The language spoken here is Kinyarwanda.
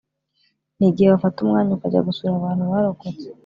Ni igihe wafata umwanya ukajya gusura abantu barokotse